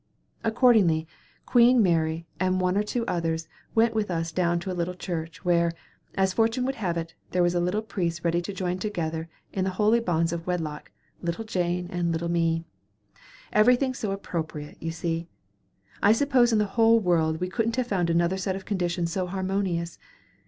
Accordingly, Queen Mary and one or two others went with us down to a little church, where, as fortune would have it, there was a little priest ready to join together in the holy bonds of wedlock little Jane and little me. Everything so appropriate, you see; I suppose in the whole world we couldn't have found another set of conditions so harmonious.